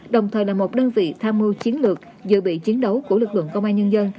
đồng thời là một đơn vị tham mưu chiến lược dự bị chiến đấu của lực lượng công an nhân dân